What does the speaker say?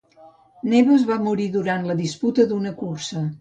Neves va morir durant la disputa d'una cursa.